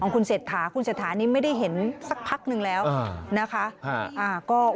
คุณเศรษฐาคุณเศรษฐานี้ไม่ได้เห็นสักพักนึงแล้วนะคะ